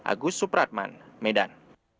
agus supratman medan